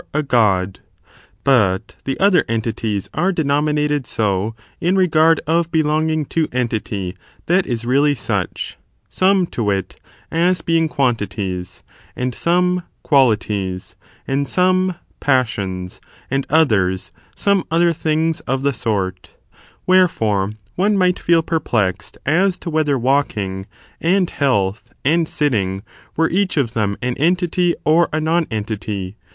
OH. I.] SUBDIVISIONS OP ENTITT. 167 minated so in regard of belonging to entity that is really such ; some, to wit, as being quantities, and some qualities, and some passions, and others, some other things of the sort Wherefore, one might feel perplexed as to whether walking,* and health, and sitting, were each of them an entity or a nonentity.